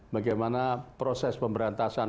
bagaimana proses pemberantasan